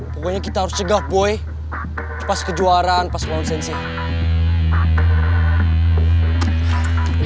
pokoknya kita harus cegah boy pas kejuaraan pas ke laun sensi